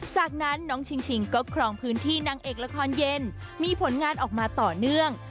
จากนั้นน้องชิงชิงก็ครองพื้นที่นางเอกละครเย็นมีผลงานออกมาต่อเนื่อง